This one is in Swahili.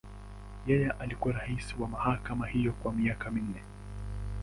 Yeye alikuwa rais wa mahakama hiyo kwa miaka minne.